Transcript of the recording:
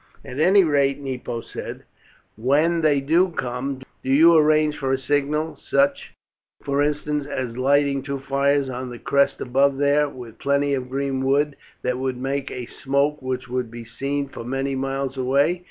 "At any rate," Nepo said, "when they do come, do you arrange for a signal, such, for instance, as lighting two fires on the crest above there, with plenty of green wood, that would make a smoke which would be seen for many miles away.